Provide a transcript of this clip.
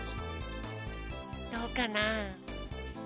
どうかな？